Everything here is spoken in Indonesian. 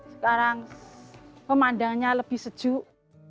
sekarang pemandangannya lebih sejuk